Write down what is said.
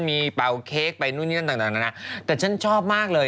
มีเปล่าเค้กไปนู่นนี่ต่างแต่ฉันชอบมากเลย